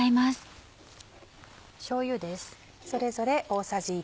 しょうゆです。